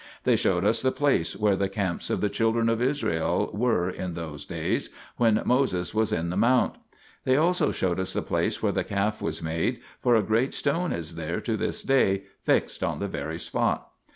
They showed us the place where the camps of the children of Israel were in those days when Moses was in the mount. They also showed us the place where the calf was made, for a great stone is there to this day, fixed on the very spot.